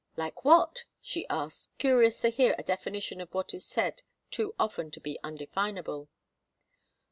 "Like what?" she asked, curious to hear a definition of what is said too often to be undefinable.